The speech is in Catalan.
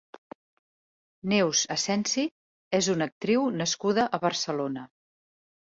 Neus Asensi és una actriu nascuda a Barcelona.